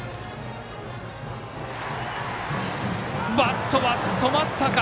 バットは止まったか。